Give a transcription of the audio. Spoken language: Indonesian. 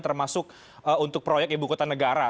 termasuk untuk proyek ibu kota negara